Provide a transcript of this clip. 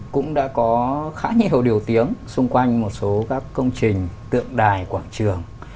cũng đã có khá nhiều điều tiếng xung quanh một số các công trình tượng đài quảng trường